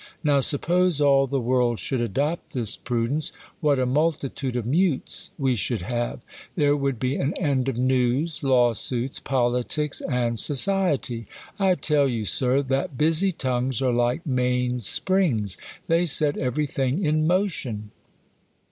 Nov\^ suppose all the world should adopt this prudence, what a multitude of mutes we should have ! There would be an end o^news, lawsuits, politics, and soci ety. I tell you, Sir, that busy tongues are like main springs ; they set every thing in motion.